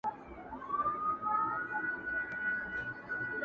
ليکوال د وينو ټپونو او وسايلو له لارې يو دروند حالت جوړوي،